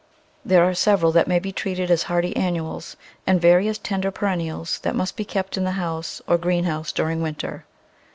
There are several that may be treated as hardy annuals, and various tender perennials that must be kept in the house or greenhouse during winter.